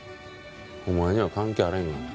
お前には関係あれへんがな。